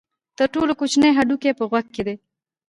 تر ټولو کوچنی هډوکی په غوږ کې دی.